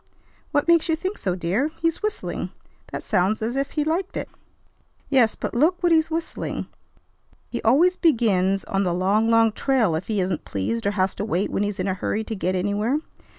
"What makes you think so, dear? He's whistling. That sounds as if he liked it." "Yes, but look what he's whistling. He always begins on 'The Long, Long Trail' if he isn't pleased or has to wait when he's in a hurry to get anywhere.